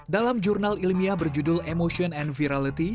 dalam jurnal ilmiah berjudul emotion and virality